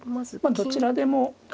どちらでも。